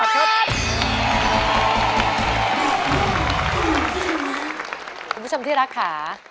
คุณผู้ชมที่รักค่ะ